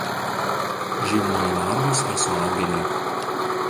Žiemoja lervos ar suaugėliai.